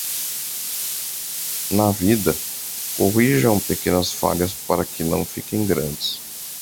Na vida, corrijam pequenas falhas para que não fiquem grandes.